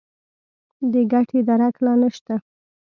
د ګټې درک لا نه شته.